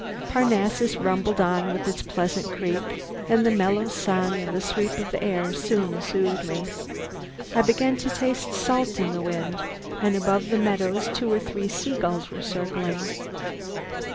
Parnassus rumbled on with its pleasant creak, and the mellow sun and sweep of the air soon soothed me. I began to taste salt in the wind, and above the meadows two or three seagulls were circling.